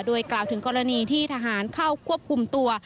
โดยกล่าวถึงกรณีที่ทหารเข้าควบคุมตัว